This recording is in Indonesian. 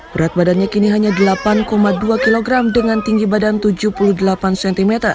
berat badannya kini hanya delapan dua kg dengan tinggi badan tujuh puluh delapan cm